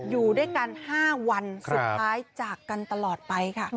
อยู่ด้วยกัน๕วันสุดท้ายจากกันตลอดไปค่ะ